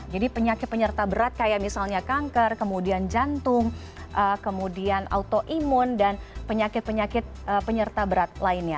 jadi penyakit penyerta berat kayak misalnya kanker kemudian jantung kemudian autoimun dan penyakit penyakit penyerta berat lainnya